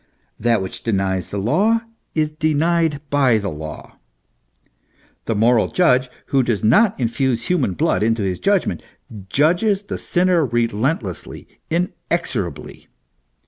That which denies the law, is denied by the law. The moral judge, who does not infuse human blood into his judgment, judges the sinner relentlessly, inexorably.